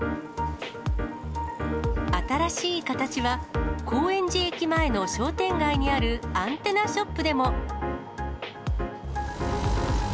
新しい形は、高円寺駅前の商店街にあるアンテナショップでも。